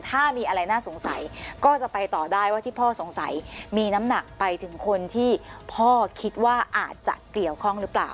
ถ้ามีอะไรน่าสงสัยก็จะไปต่อได้ว่าที่พ่อสงสัยมีน้ำหนักไปถึงคนที่พ่อคิดว่าอาจจะเกี่ยวข้องหรือเปล่า